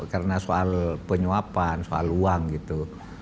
karena soal penyuapan soal uang gitu